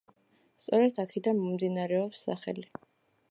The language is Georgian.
სწორედ აქედან მომდინარეობს სახელი.